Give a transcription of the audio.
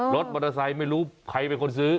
รถมอเตอร์ไซค์ไม่รู้ใครเป็นคนซื้อ